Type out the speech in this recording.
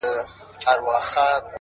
• نه چا د پیر بابا له قبر سره ,